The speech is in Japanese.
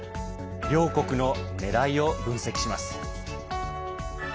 両国のねらいを分析します。